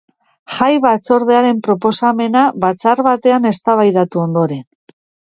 Jai batzordearen proposamena batzar batean eztabaidatu ondoren.